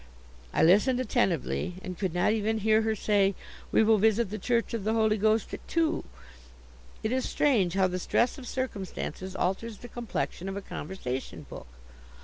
I listened attentively, and could not even hear her say "We will visit the Church of the Holy Ghost at two." It is strange how the stress of circumstances alters the complexion of a conversation book!